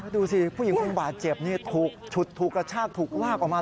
ดูสิผู้หญิงภูมิบาเจ็บนี่ถูกชุดถูกกระชาติถูกวากออกมา